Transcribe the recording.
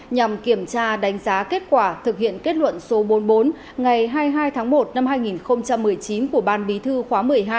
nhằm kiểm tra đánh giá kết quả thực hiện kết luận số bốn mươi bốn ngày hai mươi hai tháng một năm hai nghìn một mươi chín của ban bí thư khóa một mươi hai